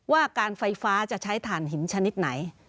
ว่าการไฟฟ้าจะใช้ฐานหินชนิดไหน